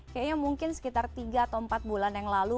kayaknya mungkin sekitar tiga atau empat bulan yang lalu